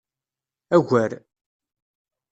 Agar.